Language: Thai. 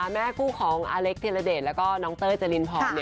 แม่ผู้ของอเล็กเทียร์เดสและเต้ยเจริลพอร์ม